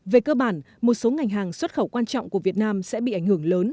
về cơ bản một số ngành hàng xuất khẩu quan trọng của việt nam sẽ bị ảnh hưởng lớn